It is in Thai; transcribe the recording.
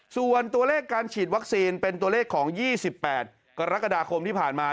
ส่วนตัวเลขการฉีดวัคซีนเป็นตัวเลขของ๒๘กรกฎาคมที่ผ่านมา